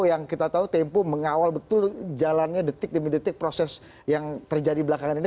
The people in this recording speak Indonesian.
yang kita tahu tempo mengawal betul jalannya detik demi detik proses yang terjadi belakangan ini